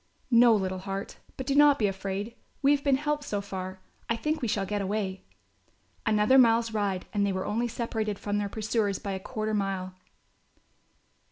"No, little heart, but do not be afraid, we have been helped so far. I think we shall get away." Another mile's ride and they were only separated from their pursuers by a quarter mile.